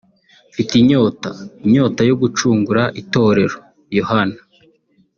Mfite inyota (Inyota yo gucungura itorero) Yohana